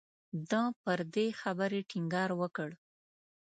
ده پر دې خبرې ټینګار وکړ.